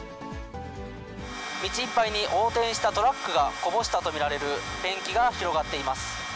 道いっぱいに、横転したトラックがこぼしたと見られるペンキが広がっています。